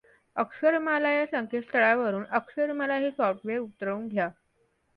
अक्षरमाला या संकेतस्थळावरून अक्षरमाला हे सॉफ्ट्वेअर उतरवून घ्या.